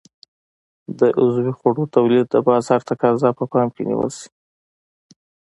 د عضوي خوړو تولید د بازار تقاضا په پام کې نیول شي.